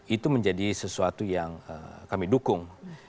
itu menjadi sesuatu yang kami dukung